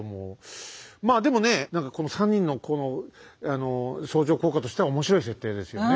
まあでもね何かこの３人の相乗効果としては面白い設定ですよね。